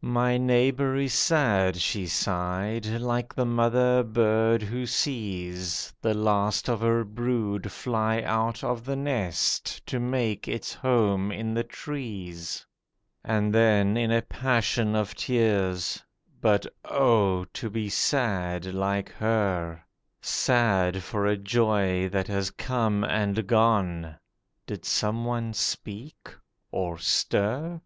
'My neighbour is sad,' she sighed, 'like the mother bird who sees The last of her brood fly out of the nest to make its home in the trees'— And then in a passion of tears—'But, oh, to be sad like her: Sad for a joy that has come and gone!' (Did some one speak, or stir?)